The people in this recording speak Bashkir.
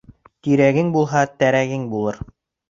Тирәгең булһа, терәгең булыр.